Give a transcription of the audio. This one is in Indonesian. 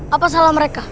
apa salah mereka